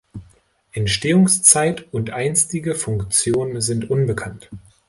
Entstehungszeit und einstige Funktion sind unbekannt.